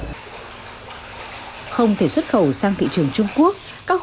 con cá bông bớp sản lượng một một tấn cá một năm chủ yếu xuất khẩu sang thị trường trung quốc theo con đường tiểu ngạch